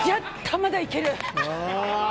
まだいける！